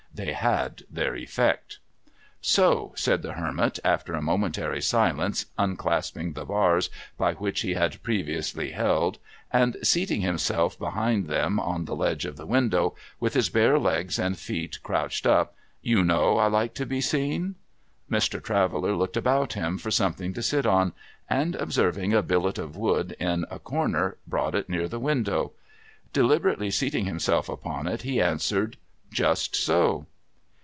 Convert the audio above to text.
They had their effect. THE OWNER OF THE HERMfTAGE 261 ' So,' said the Hermit, after a momentary silence, unclasping the bars by which he had previously held, and seating himself behind them on the ledge of the window, with his bare legs and feet crouched up, ' you know I like to be seen ?' Mr. Traveller looked about him for something to sit on, and, observing a billet of wood in a corner, brought it near the window. Deliberately seating himself upon it, he answered, ' Just so.'